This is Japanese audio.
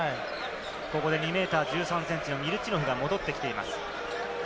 ２ｍ１３ｃｍのミルチノフが戻ってきています。